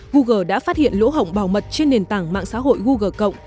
google đã phát hiện lỗ hỏng bảo mật trên nền tảng mạng xã hội google cộng